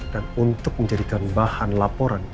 dan untuk menjadikan bahan laporan